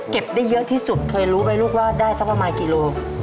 ได้เยอะที่สุดเคยรู้ไหมลูกว่าได้สักประมาณกี่โล